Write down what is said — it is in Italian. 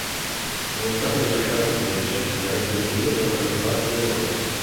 Non è stato rilasciato invece, nel Regno Unito e nella maggior parte dell'Europa.